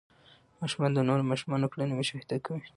ماشومان د نورو ماشومانو کړنې مشاهده کوي.